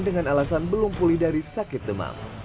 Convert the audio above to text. dengan alasan belum pulih dari sakit demam